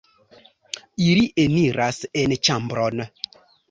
Ili eniras en ĉambron.